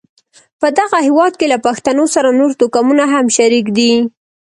په دغه هېواد کې له پښتنو سره نور توکمونه هم شریک دي.